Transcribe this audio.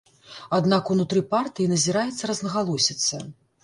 Аднак ўнутры партыі назіраецца рознагалосіца.